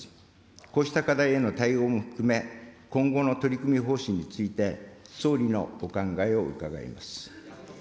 こうした課題への対応も含め、今後の取り組み方針について、総理のお考えを伺います。